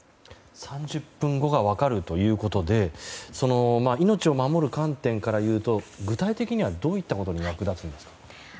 ３０分後が分かるということで命を守る観点からいうと具体的にはどういったことに役立つんですか。